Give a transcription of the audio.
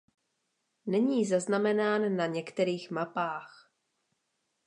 Není zaznamenán na některých mapách.